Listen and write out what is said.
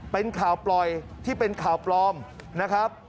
เป็นข่าวปล่อยที่เป็นข่าวปลอมนะครับ